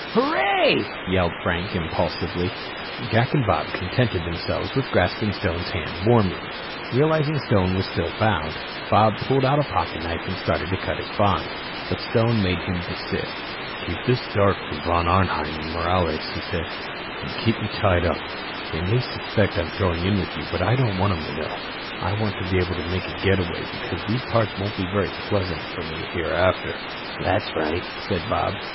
"Hurray," yelled Frank, the impulsive. Jack and Bob contented themselves with grasping Stone's hand warmly. Realizing Stone still was bound, Bob pulled out a pocket knife and started to cut his bonds, but Stone made him desist. "Keep this dark from Von Arnheim and Morales," he said. "And keep me tied up. They may suspect I'm throwing in with you, but I don't want 'em to know. I want to be able to make a getaway, because these parts won't be very pleasant for me hereafter." "That's right," said Bob.